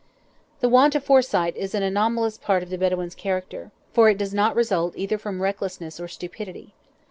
The want of foresight is an anomalous part of the Bedouin's character, for it does not result either from recklessness or stupidity.